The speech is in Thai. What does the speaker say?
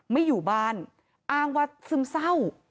ไม่อยู่บ้านอ้างว่าซึมเศร้า